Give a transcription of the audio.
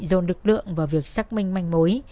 dồn lực lượng vào việc xác minh manh mối